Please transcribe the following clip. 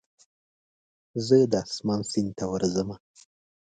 زه د اسمان سیند ته ورځمه